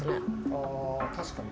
あ確かに。